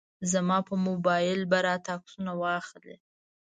زما په موبایل به راته عکسونه واخلي.